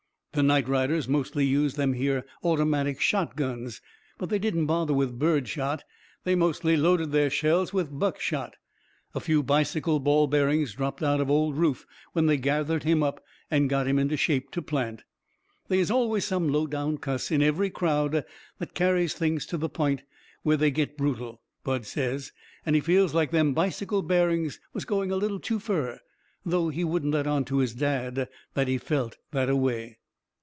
The night riders mostly used these here automatic shot guns, but they didn't bother with birdshot. They mostly loaded their shells with buckshot. A few bicycle ball bearings dropped out of old Rufe when they gathered him up and got him into shape to plant. They is always some low down cuss in every crowd that carries things to the point where they get brutal, Bud says; and he feels like them bicycle bearings was going a little too fur, though he wouldn't let on to his dad that he felt that a way.